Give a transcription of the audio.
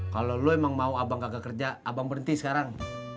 kalau lo emang mau abang gagal kerja abang berhenti sekarang